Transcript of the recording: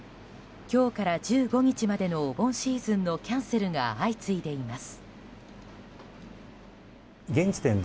今日から１５日までのお盆シーズンのキャンセルが相次いでいます。